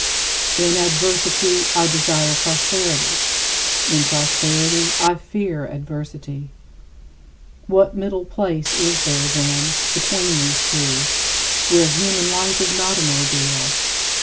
In adversity, I desire prosperity; in prosperity, I fear adversity. What middle place is there, then, between these two, where human life is not an ordeal?